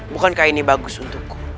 bukankah ini bagus untukku